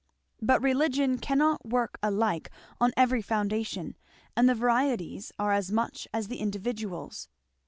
But religion cannot work alike on every foundation; and the varieties are as many as the individuals.